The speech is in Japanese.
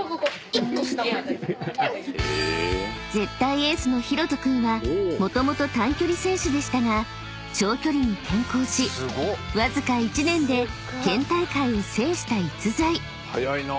［絶対エースのひろと君はもともと短距離選手でしたが長距離に転向しわずか１年で県大会を制した逸材］